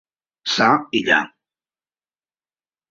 Ça i lla.